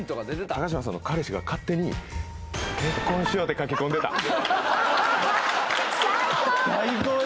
高嶋さんの彼氏が勝手に「結婚しよう」って書き込んでた最高！